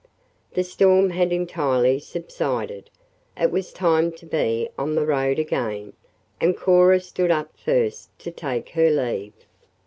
The storm had entirely subsided. It was time to be on the road again, and Cora stood up first to take her leave.